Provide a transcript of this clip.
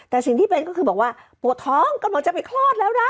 แต่สิ่งที่เป็นก็คือบอกว่าปวดท้องกำลังจะไปคลอดแล้วนะ